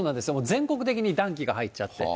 全国的に暖気が入っちゃって。